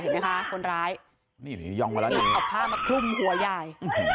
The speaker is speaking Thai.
เห็นมั้ยคะคนร้ายนี่หย่องมาแล้วเอาผ้ามาคลุมหัวยาย